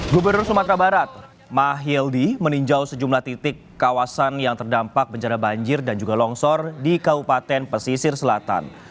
gubernur sumatera barat mahildi meninjau sejumlah titik kawasan yang terdampak bencana banjir dan juga longsor di kabupaten pesisir selatan